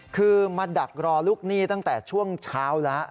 คือมาดักรอลูกหนี้ตั้งแต่ช่วงเช้าแล้ว